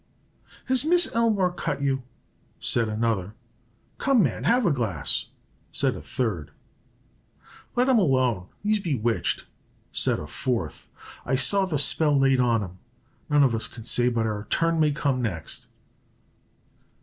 "Has Miss Elmore cut you?" said another. "Come, man, have a glass," said a third. "Let him alone he's bewitched," said a fourth. "I saw the spell laid on him. None of us can say but our turn may come next."